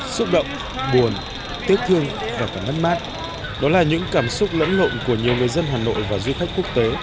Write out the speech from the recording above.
xúc động buồn tiếc thương và cả mất mát đó là những cảm xúc lẫn ngộn của nhiều người dân hà nội và du khách quốc tế